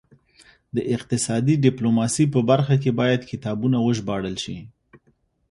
د اقتصادي ډیپلوماسي په برخه کې باید کتابونه وژباړل شي